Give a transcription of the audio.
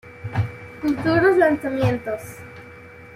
Futuros Lanzamientos